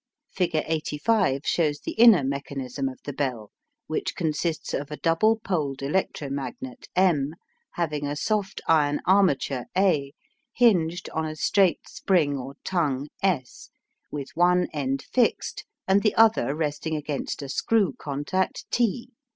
Figure 85 shows the inner mechanism of the bell, which consists of a double poled electromagnet M, having a soft iron armature A hinged on a straight spring or tongue S, with one end fixed, and the other resting against a screw contact T.